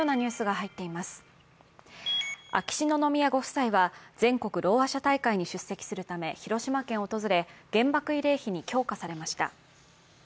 秋篠宮ご夫妻は、全国ろうあ者大会に出席するため広島県を訪れ、原爆慰霊碑に供花されました。